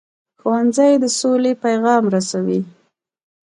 ښوونځی د سولې پیغام رسوي